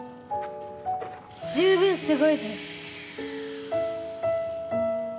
十分すごいぞよ！